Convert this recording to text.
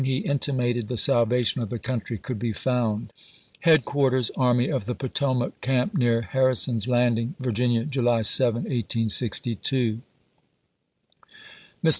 he iDtimated, the salvation of the country could be found : Headquarters Army of the Potomac, Camp near Harrison's Landing, Virginia, July 7, 1862. Mr.